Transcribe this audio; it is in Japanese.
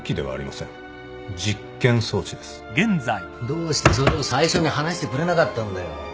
どうしてそれを最初に話してくれなかったんだよ。